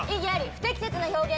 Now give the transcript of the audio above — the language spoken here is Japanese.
不適切な表現です」